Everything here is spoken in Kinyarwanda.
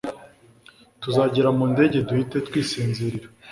Tuzagera mu ndege duhite twisinzirira.